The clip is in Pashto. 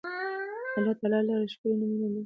الله تعالی لره ښکلي نومونه دي